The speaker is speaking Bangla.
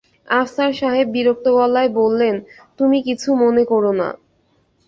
আফসার সাহেব বিরক্ত গলায় বললেন, তুমি কিছু মনে করো না।